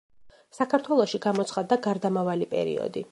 საქართველოში გამოცხადდა გარდამავალი პერიოდი.